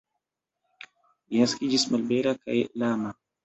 Li naskiĝis malbela kaj lama.